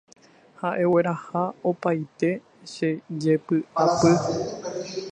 Ha egueraha opaite che jepy'apy